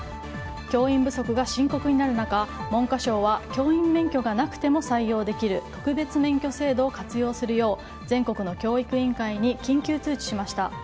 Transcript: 教員不足が深刻になる中文科省は教員免許がなくても採用できる特別免許制度を活用するよう全国の教育委員会に緊急通知しました。